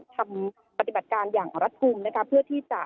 ทำปฏิบัติการอย่างระทุมนะครับเพื่อที่จะ